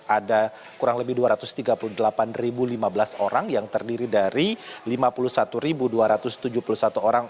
ada kurang lebih dua ratus tiga puluh delapan lima belas orang yang terdiri dari lima puluh satu dua ratus tujuh puluh satu orang